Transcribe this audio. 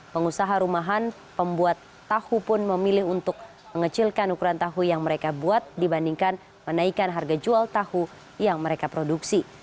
pengusaha rumahan pembuat tahu pun memilih untuk mengecilkan ukuran tahu yang mereka buat dibandingkan menaikkan harga jual tahu yang mereka produksi